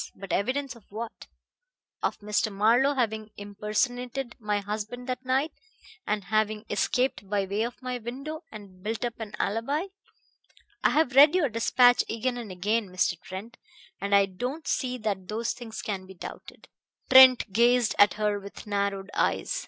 But evidence of what? Of Mr. Marlowe having impersonated my husband that night, and having escaped by way of my window, and built up an alibi. I have read your despatch again and again, Mr. Trent, and I don't see that those things can be doubted." Trent gazed at her with narrowed eyes.